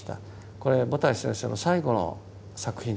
これ茂田井先生の最後の作品です。